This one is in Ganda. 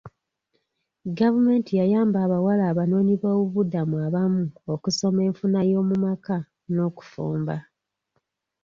Gavumenti yayamba abawala abanoonyiboobubudamu abamu okusoma enfuna y'omu maka n'okufumba